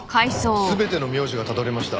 全ての名字がたどれました。